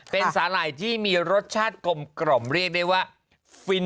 เป็นสาหร่ายที่มีรสชาติกลมเรียกได้ว่าฟิน